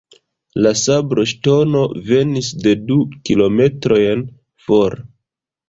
La sabloŝtono venis de du kilometrojn for.